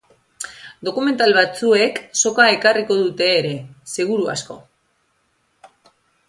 Dokumental batzuek soka ekarriko dute ere, seguru asko.